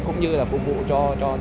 cũng như là phục vụ cho